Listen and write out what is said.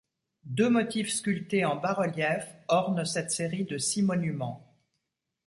Deux motifs sculptés en bas-relief ornent cette série de six monuments.